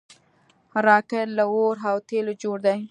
راکټ له اور او تیلو جوړ دی